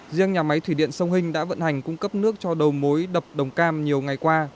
riêng nhà máy thủy điện sông hinh đã vận hành cung cấp nước cho đầu mối đập đồng cam nhiều ngày qua